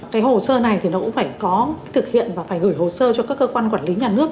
cái hồ sơ này thì nó cũng phải có thực hiện và phải gửi hồ sơ cho các cơ quan quản lý nhà nước